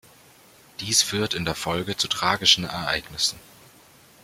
Dies führt in der Folge zu tragischen Ereignissen.